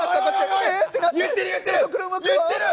言ってる言ってる！